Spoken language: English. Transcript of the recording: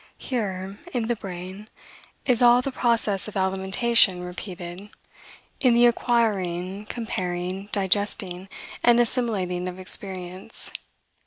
Here, in the brain, is all the process of alimentation repeated, in the acquiring, comparing, digesting, and assimilating of experience.